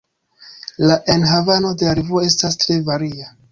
La enhavo de la revuo estas tre varia.